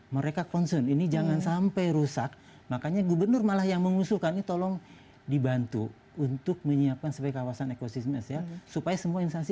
mereka concern ini jangan sampai rusak makanya gubernur malah yang mengusulkan ini tolong dibantu untuk menyiapkan sebagai kawasan ekosistem ya supaya semua instansi